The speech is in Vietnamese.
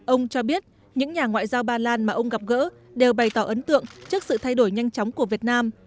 ông cho biết những nhà ngoại giao ba lan mà ông gặp gỡ đều bày tỏ ấn tượng trước sự thay đổi nhanh chóng của việt nam